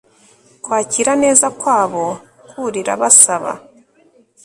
Kwakira neza kwabo kurira basaba